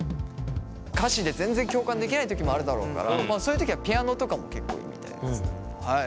歌詞で全然共感できない時もあるだろうからそういう時はピアノとかも結構いいみたいです。